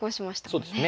そうですね。